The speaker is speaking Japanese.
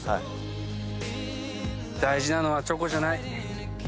大事なのはチョコじゃない。